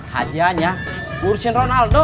hadiahnya urusin ronaldo